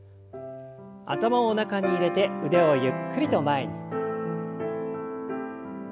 頭を中に入れて腕をゆっくりと前に。